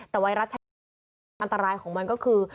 แต่ไวรัสชนิดอันตรายของมันก็คือ